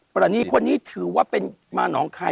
รณีคนนี้ถือว่าเป็นมาหนองคาย